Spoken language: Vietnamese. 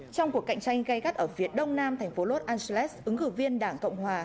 trong cuộc cạnh tranh gây gắt ở phía đông nam thành phố los angeles ứng cử viên đảng cộng hòa